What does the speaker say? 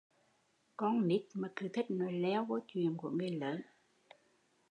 Con nít mà cứ thích nói leo vô chuyện của người lớn